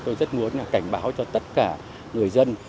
tôi rất muốn cảnh báo cho tất cả người dân